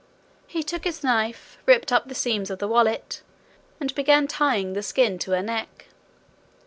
He took his knife, ripped up the seams of the wallet, and began trying the skin to her neck.